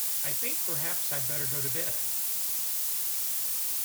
I think perhaps I'd better go to bed.